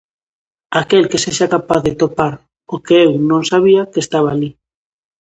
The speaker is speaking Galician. Aquel que sexa capaz de topar o que eu non sabía que estaba alí.